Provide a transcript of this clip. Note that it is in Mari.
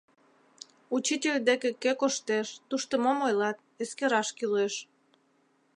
Учитель деке кӧ коштеш, тушто мом ойлат, эскераш кӱлеш.